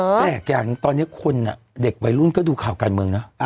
แรกอย่างตอนนี้คนอ่ะเด็กวัยรุ่นก็ดูข่าวการเมืองนะ